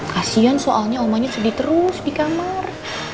kasian soalnya omanya sedih terus di kamar